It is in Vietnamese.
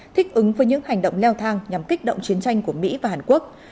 thích ứng với những hành động leo thang nhằm kích động chiến tranh của mỹ và hàn quốc